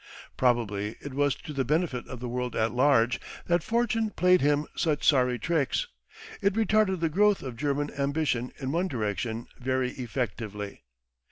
Probably it was to the benefit of the world at large that Fortune played him such sorry tricks. It retarded the growth of German ambitions in one direction very effectively.